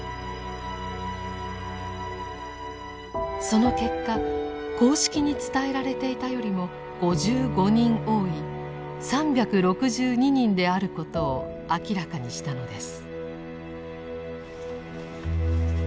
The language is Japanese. その結果公式に伝えられていたよりも５５人多い３６２人であることを明らかにしたのです。